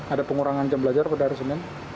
ada pengurangan jam belajar pada hari senin